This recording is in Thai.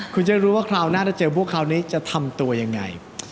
คุณจะรู้ว่าคราวหน้าถ้าเจอพวกคราวนี้จะทำตัวยังไง